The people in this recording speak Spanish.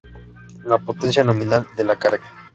La potencia nominal de la carga.